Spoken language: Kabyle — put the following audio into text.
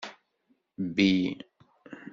Bbi.